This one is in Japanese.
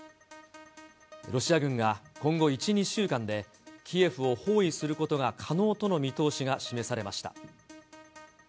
ロシア軍が今後１、２週間で、キエフを包囲することが可能との見通しが示されました。